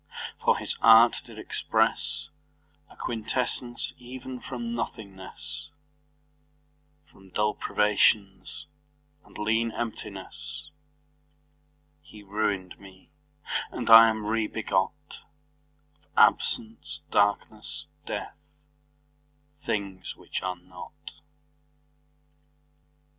For his art did expresse A quintessence even from nothingnesse, From dull privations, and leane emptinesse: He ruin'd mee, and I am re begot Of absence, darknesse, death; things which are not.